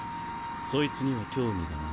そいつには興味がない。